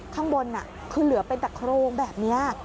ข้างบนคือเหลือเป็นแต่โครงแบบนี้